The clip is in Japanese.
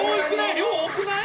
量多くない？